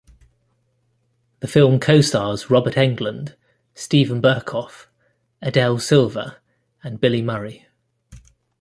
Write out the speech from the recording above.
The film co-stars Robert Englund, Steven Berkoff, Adele Silva and Billy Murray.